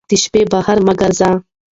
د شپې بهر مه ګرځه